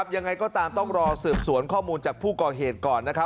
ยังไงก็ตามต้องรอสืบสวนข้อมูลจากผู้ก่อเหตุก่อนนะครับ